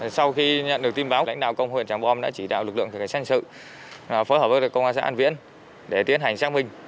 sau khi nhận được tin báo lãnh đạo công an huyện trảng bom đã chỉ đạo lực lượng cảnh sát hình sự phối hợp với công an huyện an viễn để tiến hành xác minh